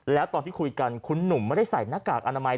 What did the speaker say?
แล้วตอนที่คุยกันคุณหนุ่มไม่ได้ใส่หน้ากากอนามัย